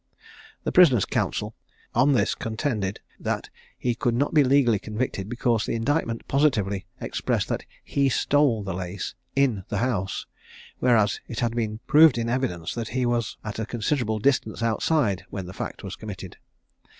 The prisoner's counsel on this contended, that he could not be legally convicted, because the indictment positively expressed that he stole the lace in the house, whereas it had been proved in evidence that he was at a considerable distance outside when the fact was committed.